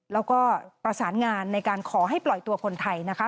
แล้วก็ประสานงานในการขอให้ปล่อยตัวคนไทยนะคะ